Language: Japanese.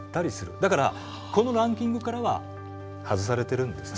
だからこのランキングからは外されてるんですね。